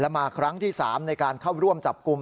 มาครั้งที่๓ในการเข้าร่วมจับกลุ่ม